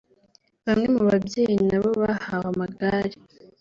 Bamwe mu babyeyi nabo bahawe amagare